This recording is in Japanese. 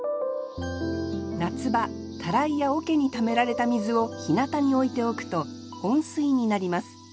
夏場たらいや桶にためられた水を日向に置いておくと温水になります。